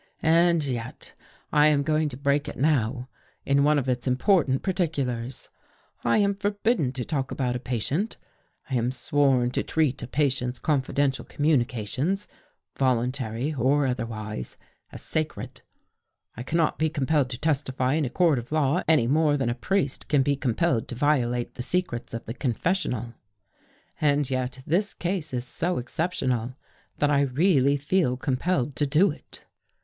And yet I am going to break it now in one of its important particulars. I am forbidden to talk about a patient, I am sworn to treat a patient's confidential communications, volun tary or otherwise, as sacred. I cannot /be com pelled to testify in a court of law any more than a priest can be compelled to violate the secrets of the confessional. And yet this case is so exceptional that I really feel compelled to do it.